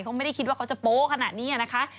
เขาไม่ได้คิดว่าเขาจะโป๊ะขนาดนี้นะคะ